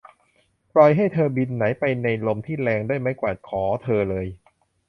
ปล่อยให้เธอบินไหนไปในลมที่แรงด้วยไม้กวาดขอเธอเลย !